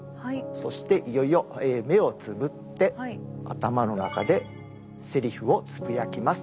そしていよいよ目をつぶって頭の中でセリフをつぶやきます。